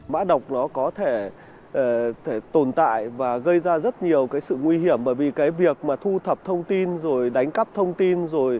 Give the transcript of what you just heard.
mã độc nó có thể tồn tại và gây ra rất nhiều sự nguy hiểm bởi vì việc thu thập thông tin đánh cắp thông tin